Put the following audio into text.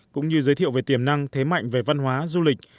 cũng như giới thiệu về tiềm năng thế mạnh về văn hóa du lịch